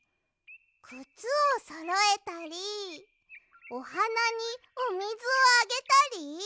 くつをそろえたりおはなにおみずをあげたり？